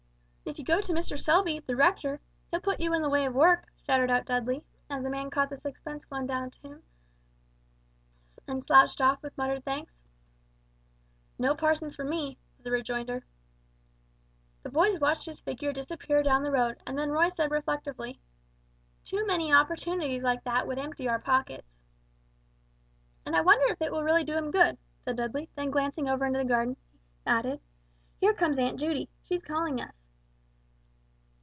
"If you go to Mr. Selby, the rector, he'll put you in the way of work," shouted out Dudley, as the man catching the sixpence flung down to him slouched off with muttered thanks. "No parsons for me," was the rejoinder. The boys watched his figure disappear down the road, and then Roy said reflectively, "Too many opportunities like that would empty our pockets." "And I wonder if it will really do him good," said Dudley; then glancing over into the garden, he added: "Here comes Aunt Judy, she's calling us."